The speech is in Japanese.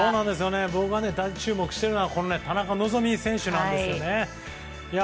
僕が大注目しているのは田中希実選手です。